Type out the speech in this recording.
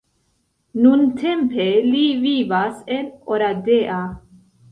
Nuntempe li vivas en Oradea.